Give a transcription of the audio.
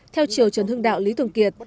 theo chiều trần hưng đạo lý thường kiệt